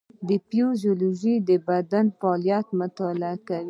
فیزیولوژي د بدن فعالیت مطالعه کوي